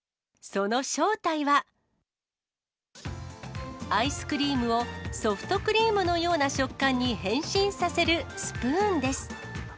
その正体は、アイスクリームをソフトクリームのような食感に変身させるスプーンです。